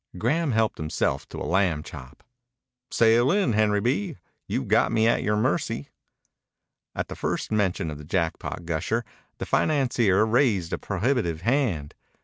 Graham helped himself to a lamb chop. "Sail in, Henry B. You've got me at your mercy." At the first mention of the Jackpot gusher the financier raised a prohibitive hand.